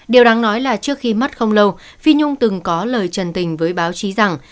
điều đáng nói là trước khi mất không lâu phi nhung từng có lời trần tình với báo chí rằng